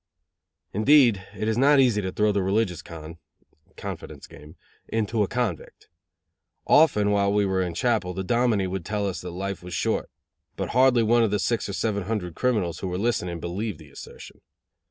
Indeed, it is not easy to throw the religious con (confidence game) into a convict. Often, while we were in chapel, the dominie would tell us that life was short; but hardly one of the six or seven hundred criminals who were listening believed the assertion.